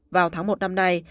vào tháng một năm nay